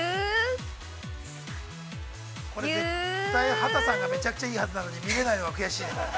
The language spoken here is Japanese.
◆畑さんがめちゃくちゃいいはずなのに見れないのが悔しいね。